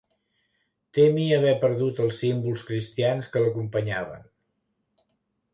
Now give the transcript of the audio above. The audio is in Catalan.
Temi haver perdut els símbols cristians que l'acompanyaven.